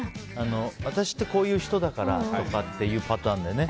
私ってこういう人だからっていうパターンだよね。